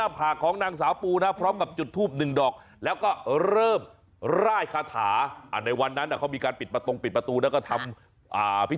อาการของนางสาปูเป็นอย่างไรบ้างครับ